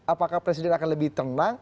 apakah presiden akan lebih tenang